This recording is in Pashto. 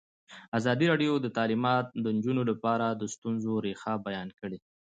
ازادي راډیو د تعلیمات د نجونو لپاره د ستونزو رېښه بیان کړې.